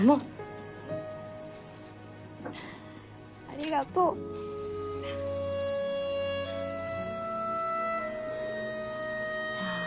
ありがとう。はあ。